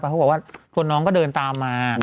เขาบอกว่าตัวน้องก็เดินตามมา